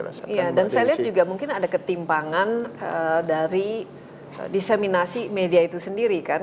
iya dan saya lihat juga mungkin ada ketimpangan dari diseminasi media itu sendiri kan